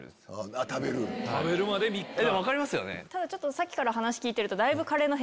さっきから話聞いてると。